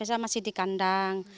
saya lari saya masih di kandang